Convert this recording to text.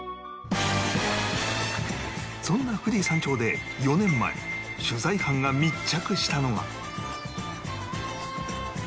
そんな富士山頂で４年前取材班が密着したのが